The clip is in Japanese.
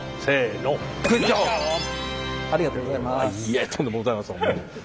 ありがとうございます。